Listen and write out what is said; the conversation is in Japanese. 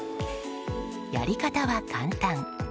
やり方は簡単。